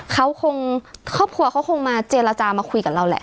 เขาคงครอบครัวเขาคงมาเจรจามาคุยกับเราแหละ